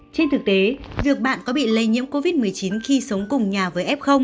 trên thực tế việc bạn có bị lây nhiễm covid một mươi chín khi sống cùng nhà với f